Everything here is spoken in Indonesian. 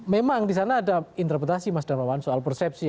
memang di sana ada interpretasi mas darmawan soal persepsi